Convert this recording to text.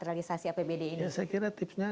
realisasi apbd ini saya kira tipsnya